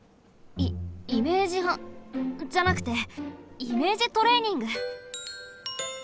イメージハじゃなくてイメージトレーニング。